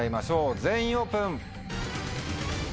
全員オープン。